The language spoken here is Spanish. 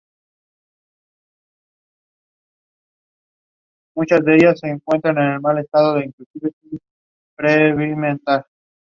El tema de apertura de "Por amor" es "Juguete de nadie" interpretado por Braulio.